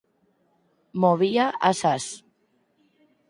Movía as ás.